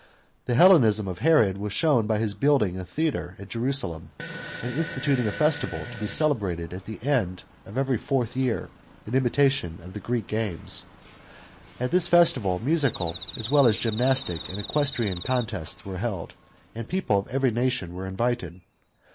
The Hellenism of Herod was shown by hig building a theatre at Jerusalem, and instituting a festival, to "be celebrated at the end of every fourth year, in imitation of the Greek games. At this festival, musical as well as gymnastic and equestrian contests were held, and people of every nation were invited.